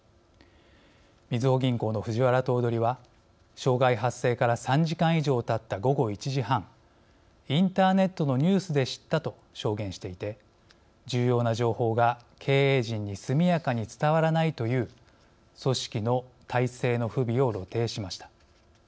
みずほ銀行の藤原頭取は障害発生から３時間以上たった午後１時半インターネットのニュースで知ったと証言していて重要な情報が経営陣に速やかに伝わらないという組織の体制の不備を露呈しました。